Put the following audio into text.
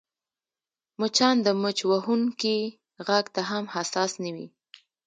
مچان د مچ وهونکي غږ ته هم حساس نه وي